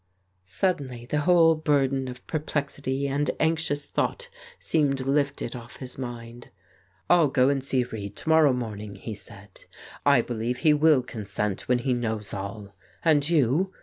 Suddenly the whole burden of perplexity and anxious thought seemed lifted off his mind. "I'll go and see Reid to morrow morning," he said. "I believe he will consent when he knows all. And you